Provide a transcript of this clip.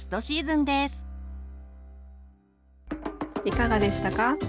いかがでしたか？